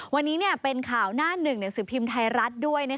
วันนี้เป็นข่าวหน้าหนึ่งหนังสือพิมพ์ไทยรัฐด้วย